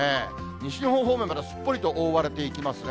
西日本方面まですっぽりと覆われていきますね。